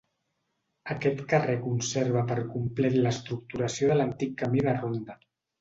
Aquest carrer conserva per complet l'estructuració de l'antic camí de ronda.